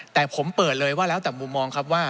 แต่ผมเปิดเลยว่าแล้วแต่มุมมองครับว่า